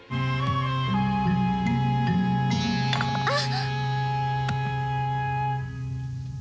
あっ！